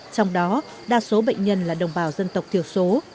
trong đó đa số bệnh nhân là đồng bào dân tộc thiểu số